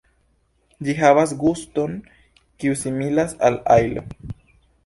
Ĝi havas guston, kiu similas al ajlo.